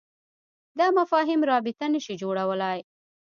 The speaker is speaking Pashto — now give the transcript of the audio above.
دا مفاهیم رابطه نه شي جوړولای.